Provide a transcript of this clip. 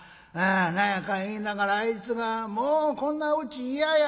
何やかんや言いながらあいつが『もうこんなうち嫌や！』